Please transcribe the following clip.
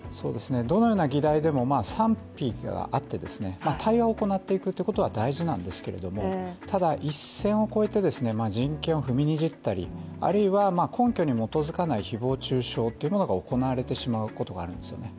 どのような議題でも賛否があって、対話を行っていくということは大事なんですけれども、ただ、一線を越えて、人権を踏みにじったりあるいは、根拠に基づかない誹謗中傷が行われてしまうことがあるんですよね。